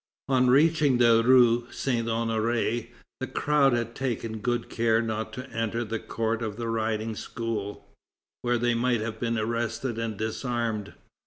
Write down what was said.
On reaching the rue Saint Honoré, the crowd had taken good care not to enter the court of the Riding School, where they might have been arrested and disarmed.